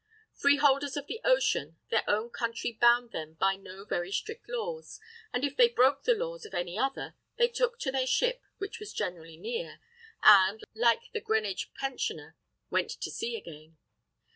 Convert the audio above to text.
Freeholders of the ocean, their own country bound them by no very strict laws; and if they broke the laws of any other, they took to their ship, which was generally near, and, like the Greenwich pensioner, 'went to sea again.'